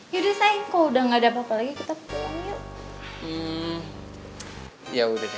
yaudah sayang kok udah gak ada apa apa lagi kita pukul kamu yuk